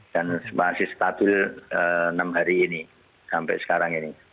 dan masih stabil enam hari ini sampai sekarang ini